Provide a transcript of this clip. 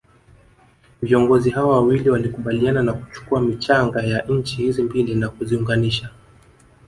viongozi hawa wawili walikubaliana na kuchukua michanga ya nchi hizi mbili na kuziunganisha